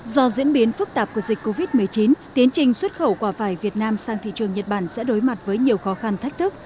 do diễn biến phức tạp của dịch covid một mươi chín tiến trình xuất khẩu quả vải việt nam sang thị trường nhật bản sẽ đối mặt với nhiều khó khăn thách thức